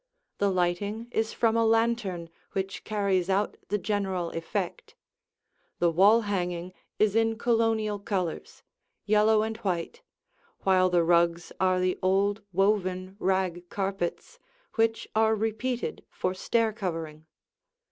The lighting is from a lantern which carries out the general effect. The wall hanging is in Colonial colors, yellow and white, while the rugs are the old, woven rag carpets which are repeated for stair covering.